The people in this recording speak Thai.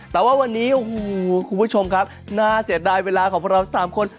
แต่ว่าวันนี้โอ้โหคุณผู้ชมครับน่าเสียดายเวลาของพวกเราทั้ง๓คน